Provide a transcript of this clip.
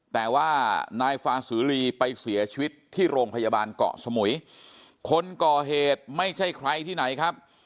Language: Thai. แต่ว่านายฟาสือลีไปเสียชีวิตที่โรงพยาบาลเกาะสมุยคนก่อเหตุไม่ใช่ใครที่ไหนครับ